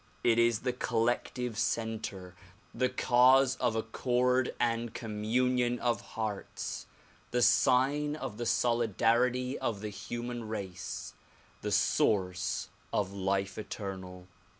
It is the col lective center, the cause of accord and communion of hearts, the sign of the solidarity of the human race, the source of life eternal.